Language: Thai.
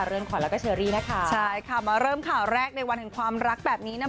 เรือนขวัญแล้วก็เชอรี่นะคะใช่ค่ะมาเริ่มข่าวแรกในวันแห่งความรักแบบนี้นะ